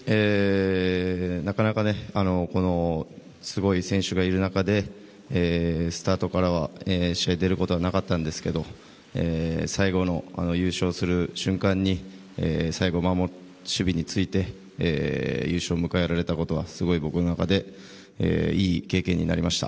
なかなかすごい選手がいる中でスタートからは試合に出ることはなかったんですけど最後の優勝する瞬間に最後、守備について優勝を迎えられたことはすごく、僕の中でいい経験になりました。